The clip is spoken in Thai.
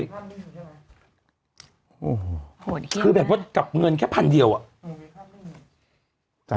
โอ้โหโหดเยี่ยมมากคือแบบว่ากับเงินแค่พันเดียวอ่ะ